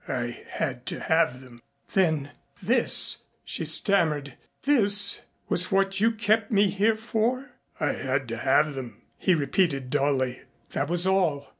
I had to have them." "Then this " she stammered, "this was what you kept me here for?" "I had to have them," he repeated dully. That was all.